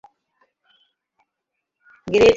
Great, great, great!